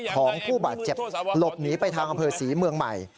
ของผู้บาดเจ็บหลบหนีไปทางอำเภอศรีเมืองใหม่